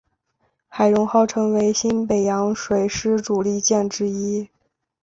海容号成为新北洋水师主力舰之一。